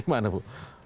itu gimana bu